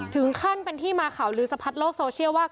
ถึงขั้นเป็นที่มาข่าวลือสะพัดโลกโซเชียลว่า